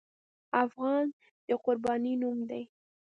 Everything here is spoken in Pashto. افغان د قربانۍ نوم دی.